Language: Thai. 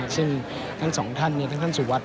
ซึ่งทั้งสองท่านทั้งท่านสุวัสด